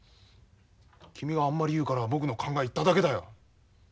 君があんまり言うから僕の考え言っただけだよ。